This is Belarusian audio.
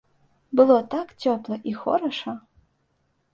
Было так цёпла і хораша.